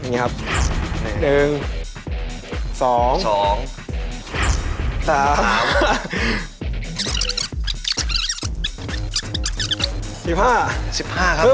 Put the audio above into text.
อย่างนี้ครับ